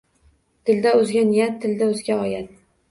Dilda oʼzga niyat, tilda oʼzga oyat